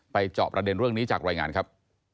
จอบประเด็นเรื่องนี้จากรายงานครับ